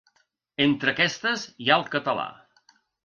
Entre aquestes hi ha el català.